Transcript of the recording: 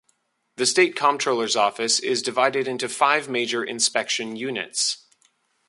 The state comptroller's office is divided into five major inspection units.